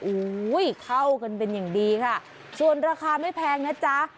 อุ้ยเข้ากันเป็นอย่างดีค่ะส่วนราคาไม่แพงนะจ๊ะ